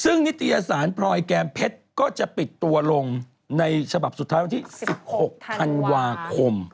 ซึ่งนิตยสารพลอยแก้มเพชรก็จะปิดตัวลงในฉบับสุดท้ายวันที่๑๖ธันวาคม